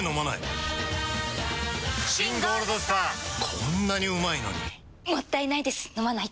こんなにうまいのにもったいないです、飲まないと。